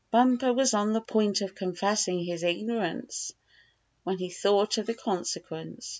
Bumper was on the point of confessing his ignorance when he thought of the consequence.